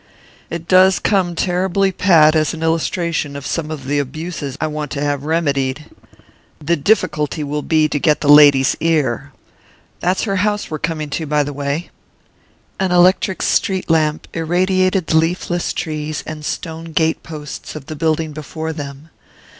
"It does come terribly pat as an illustration of some of the abuses I want to have remedied. The difficulty will be to get the lady's ear. That's her house we're coming to, by the way." An electric street lamp irradiated the leafless trees and stone gate posts of the building before them.